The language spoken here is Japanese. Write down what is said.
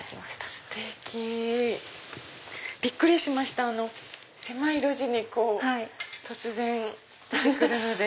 ステキ！びっくりしました狭い路地に突然出て来るので。